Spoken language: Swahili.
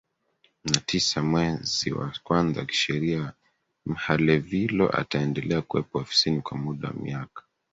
na tisa mwezi wa kwanza Kisheria Nhalevilo ataendelea kuwepo ofisini kwa muda wa miaka